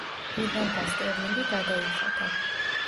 გირვანქა სტერლინგი გადაიხადა.